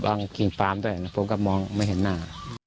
บางกินปลามตัวเนี่ยผมก็มองไม่เห็นหน้า